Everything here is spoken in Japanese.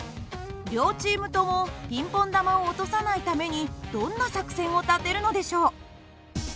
両チームともピンポン玉を落とさないためにどんな作戦を立てるのでしょう？